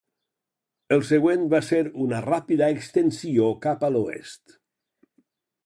El següent va ser una ràpida extensió cap a l'oest.